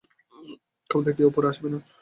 খবরদার কেউ উপরে আসবে না।